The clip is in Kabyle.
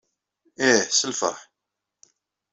Ih, s lfeṛḥ.